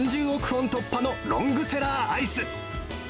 本突破のロングセラーアイス。